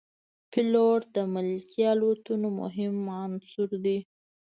پیلوټ د ملکي الوتنو مهم عنصر دی.